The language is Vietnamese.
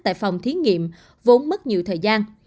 tại phòng thí nghiệm vốn mất nhiều thời gian